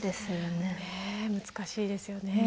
ねえ難しいですよね。